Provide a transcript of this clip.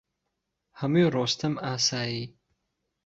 هەمووی ڕۆستەم ئاسایی